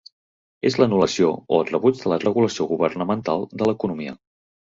És l"anulació o el rebuig de la regulació governamental de l"economia.